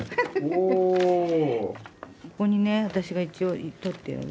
ここにね私が一応取ってある。